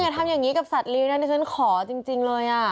มึงอย่าทำอย่างนี้กับสัตว์ลีน่ะนี่ฉันขอจริงเลยอ่ะ